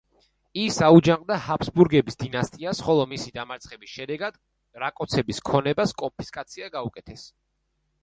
ის აუჯანყდა ჰაბსბურგების დინასტიას, ხოლო მისი დამარცხების შედეგად რაკოცების ქონებას კონფისკაცია გაუკეთეს.